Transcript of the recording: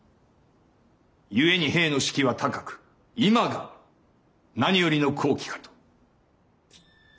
故に兵の士気は高く今が何よりの好機かと。